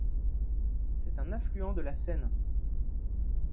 C'est un affluent de la Seine.